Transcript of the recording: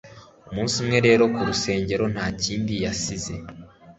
umunsi umwe rero, ku rusengero, nta kindi yasize